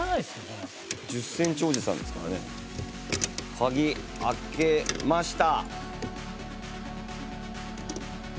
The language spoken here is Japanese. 鍵開けました。